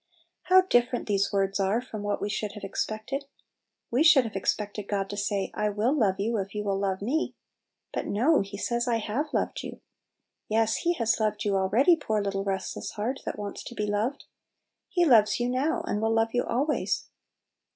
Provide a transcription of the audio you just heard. How different these words are from what we should have expected! We should have expected God to say, "I will love you, if you will love me." But no ! He says, " I have loved you." Yes, He has loved you already, poor little restless heart, that wants to be loved ! He loves you now, and will love ycu always. 1 8 Little Pillows.